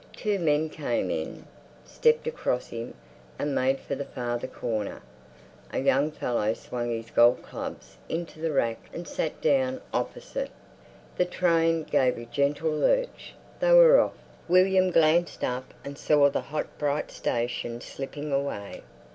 Two men came in, stepped across him, and made for the farther corner. A young fellow swung his golf clubs into the rack and sat down opposite. The train gave a gentle lurch, they were off. William glanced up and saw the hot, bright station slipping away.